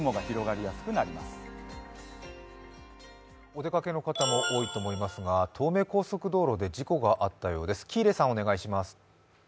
お出かけの方も多いと思いますが、東名高速道路で事故があったようです。